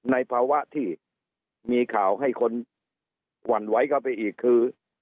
ในภาวะที่มีข่าวให้คนหวั่นไหวเข้าไปอีกคือ